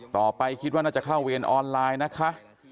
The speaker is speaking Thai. ต่อไปคิดว่าน่าจะเข้าเวรออนไลน์นะคะ